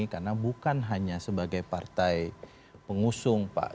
karena bukan hanya sebagai partai pengusung pak